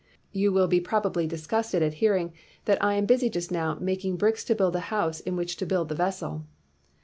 You will be probably disgusted at hearing that I am busy just now making bricks to build a house in which to build the vessel.